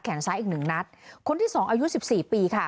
ซ้ายอีกหนึ่งนัดคนที่สองอายุสิบสี่ปีค่ะ